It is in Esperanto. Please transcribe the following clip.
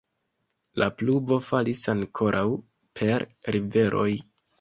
La pluvo falis ankoraŭ per riveroj.